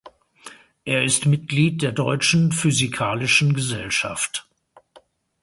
Er ist Mitglied der Deutschen Physikalischen Gesellschaft.